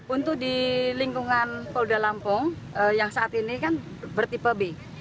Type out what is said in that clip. untuk di lingkungan polda lampung yang saat ini kan bertipe b